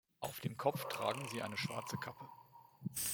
Auf dem Kopf tragen sie eine schwarze Kappe.